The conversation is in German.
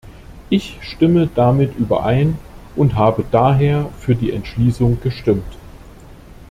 Ich stimme damit überein und habe daher für die Entschließung gestimmt.